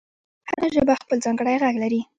هره ژبه خپل ځانګړی غږ لري.